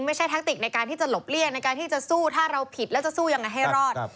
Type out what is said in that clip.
แทคติกในการที่จะหลบเลี่ยงในการที่จะสู้ถ้าเราผิดแล้วจะสู้ยังไงให้รอด